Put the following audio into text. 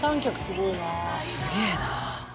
すげぇな。